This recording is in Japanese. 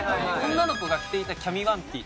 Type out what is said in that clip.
女の子が着ていたキャミワンピ